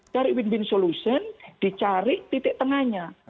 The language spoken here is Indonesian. cari win win solution dicari titik tengahnya